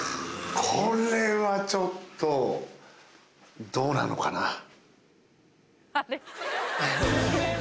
これはちょっとどうなのかな。